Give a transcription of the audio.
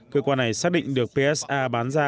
cơ quan này xác định được psa bán ra